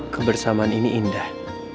kebersamaan ini indah